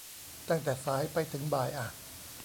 ตั้งแต่สายไปถึงบ่ายอ่ะ